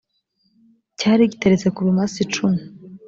cyari giteretse ku bimasa cumi